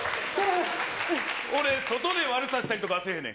俺、外で悪さしたりとかせえへんねん。